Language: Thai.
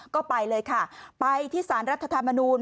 ก็ไปเลยค่ะไปที่สารรัฐธรรมนูล